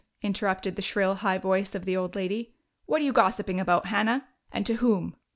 interrupted the shrill, high voice of the old lady. "What are you gossiping about, Hannah? And to whom?"